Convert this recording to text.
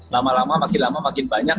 lama lama makin lama makin banyak